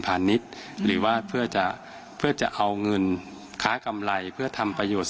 ณิชย์หรือว่าเพื่อจะเพื่อจะเอาเงินค้ากำไรเพื่อทำประโยชน์